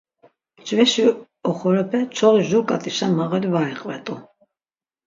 Mcveşi oxorepe çoği jur k̆art̆işen mağali var iqvet̆u.